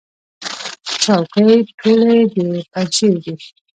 چوکۍ ټولې د پنجشیر دي.